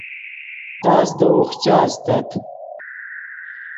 تس دے اوخچا استت